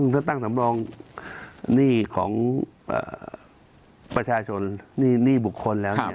ถ้าตั้งสำรองหนี้ของประชาชนหนี้บุคคลแล้ว